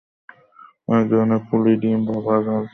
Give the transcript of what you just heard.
অনেক ধরনের পুলি, ডিম ভাপা, ঝাল ভাপা ছাড়াও বাকি পিঠা তো আছেই।